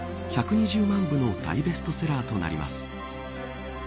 １２０万部の大ベストセラーとなります。